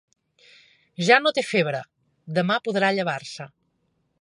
Ja no té febre: demà podrà llevar-se.